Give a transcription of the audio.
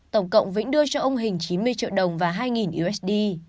tổng cộng vĩnh đưa cho ông hình chín mươi triệu đồng và hai usd